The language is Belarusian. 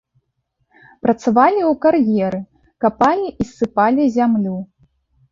Працавалі ў кар'еры, капалі і ссыпалі зямлю.